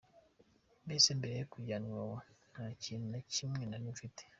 Mbese mbere yo kujyanwa Iwawa, nta kintu na kimwe nari mfite.